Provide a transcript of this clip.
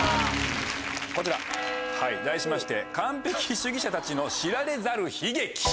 こちら題しまして「完璧主義者たちの知られざる悲劇」。